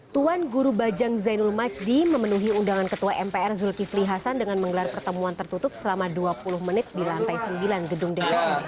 tuan guru bajang zainul majdi memenuhi undangan ketua mpr zulkifli hasan dengan menggelar pertemuan tertutup selama dua puluh menit di lantai sembilan gedung dprd